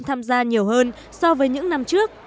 tham gia nhiều hơn so với những năm trước